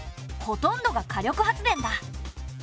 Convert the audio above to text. ほとんどが火力発電だ。